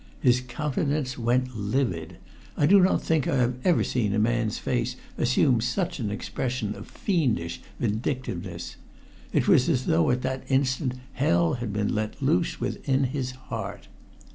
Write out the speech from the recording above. His countenance went livid. I do not think I have ever seen a man's face assume such an expression of fiendish vindictiveness. It was as though at that instant hell had been let loose within his heart.